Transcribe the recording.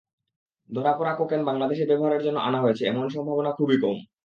ধরা পড়া কোকেন বাংলাদেশে ব্যবহারের জন্য আনা হয়েছে—এমন সম্ভাবনা খুবই কম।